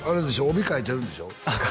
帯書いてるんでしょ？